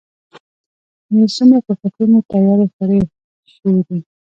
يې څومره په فکرونو تيارې خورې شوي دي.